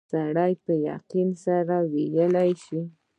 سړی په یقین سره ویلای شي.